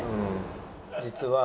「実は」。